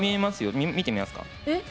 見てみますか。